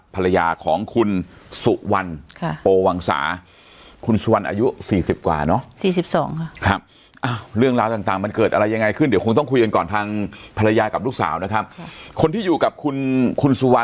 ภรรยาของคุณสุวรรณโปวังสาคุณสุวรรณอายุ๔๐กว่าเนอะ